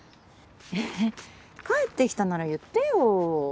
えっ帰ってきたなら言ってよ。